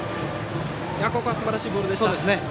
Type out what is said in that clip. ここはすばらしいボールでした。